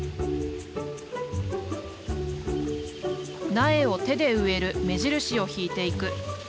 苗を手で植える目印を引いていく。